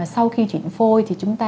sau khi chuyển phôi thì chúng ta